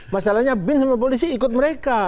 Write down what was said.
masalahnya bin sama polisi ikut mereka